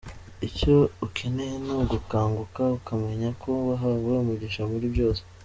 Icyo ukeneye ni ugukanguka ukamenya ko wahawe umugisha muri byose.